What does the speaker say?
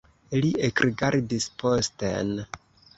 Li ekrigardis posten.